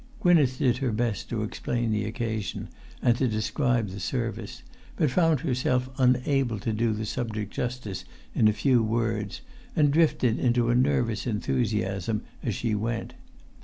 Gwynneth did her best to explain the occasion and to describe the service, but found herself unable to do the subject justice in a few words, and drifted into a nervous enthusiasm as she went.